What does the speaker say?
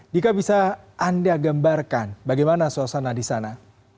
dika bisa anda gambarkan bagaimana suasana di sana